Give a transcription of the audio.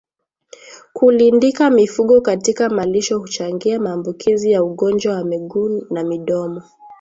Kulindika mifugo katika malisho huchangia maambukizi ya ugonjwa wa miguu na midomo